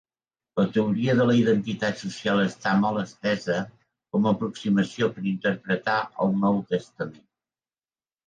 La teoria de la identitat social està molt estesa com a aproximació per interpretar el Nou Testament.